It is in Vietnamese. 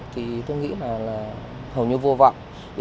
thì tôi nghĩ là hầu như vô vọng